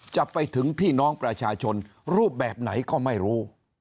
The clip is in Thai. จะไปถึงพี่น้องประชาชนรูปแบบไหนก็ไม่รู้